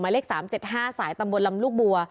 เลข๓๗๕สายตำบลลำลูกบัว